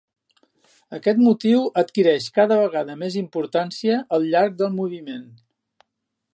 Aquest motiu adquireix cada vegada més importància al llarg del moviment.